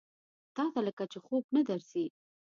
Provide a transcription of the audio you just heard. تاته لکه چې خوب نه درځي؟